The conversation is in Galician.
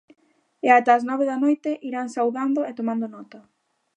E ata as nove da noite, irán saudando e tomando nota.